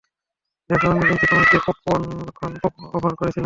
দেখো, আমি কিন্তু তোমাকে পপকর্ন অফার করেছিলাম।